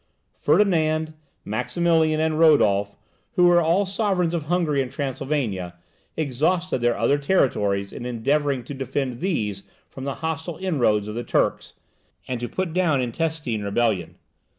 Ferdinand, Maximilian, and Rodolph, who were all sovereigns of Hungary and Transylvania, exhausted their other territories in endeavouring to defend these from the hostile inroads of the Turks, and to put down intestine rebellion.